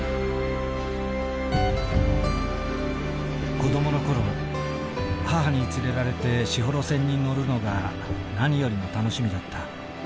「子どもの頃母に連れられて士幌線に乗るのが何よりの楽しみだった。